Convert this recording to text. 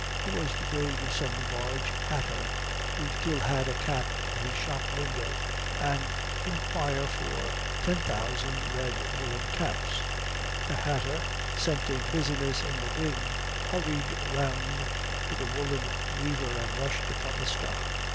He was to go to some large hatter, who still had a cap in his shop window, and 'inquire for' ten thousand red woolen caps. The hatter, scenting business in the wind, hurried round to the woolen weaver and rushed upon the stock.